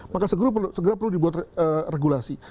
maka segera perlu dibuat regulasi